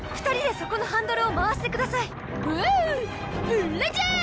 ブ・ラジャー！